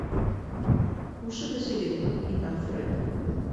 Ҡушып эсегеҙ, — ти Мәғфүрә.